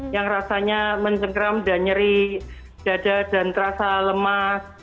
yang rasanya mentengkram dan nyeri dada dan terasa lemah